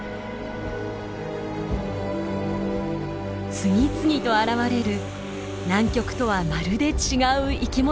次々と現れる南極とはまるで違う生きものたち。